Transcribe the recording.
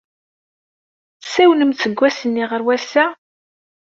Tessawlemt seg wass-nni ɣer wass-a?